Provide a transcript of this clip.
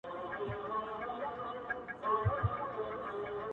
کښته پسي ځه د زړه له تله یې را و باسه-